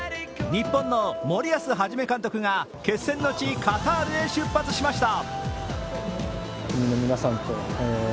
日本の森保一監督が決戦の地、カタールへ出発しました。